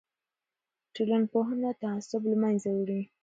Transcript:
ټولنپوهنه تعصب له منځه وړي.